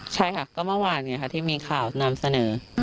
ใช่ค่ะก็เมื่อวานไงค่ะที่มีข่าวนำเสนอ